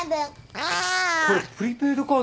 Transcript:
これプリペイドカードじゃん。